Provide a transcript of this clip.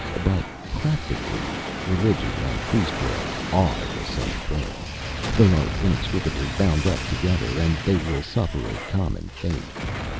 But practically religion and priestcraft are the same thing. They are inextricably bound up together,. and they will suffer a common fate.